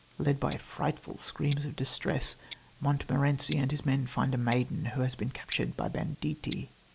Led by frightful screams of distress, Montmorenci and his men find a maiden, who has been captured by banditti.